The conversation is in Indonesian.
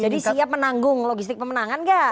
jadi siap menanggung logistik pemenangan gak